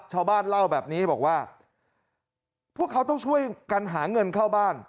ชาวบ้านเล่าแบบนี้บอกว่าพวกเขาต้องช่วยกันหาเงินเข้าบ้าน